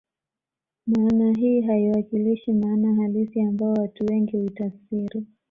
Maana hii haiwakilishi maana halisi ambayo watu wengi huitafsiri